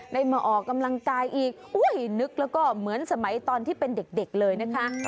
ได้มาออกกำลังกายอีกนึกแล้วก็เหมือนสมัยตอนที่เป็นเด็กเลยนะคะ